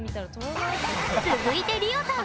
続いてリオさん。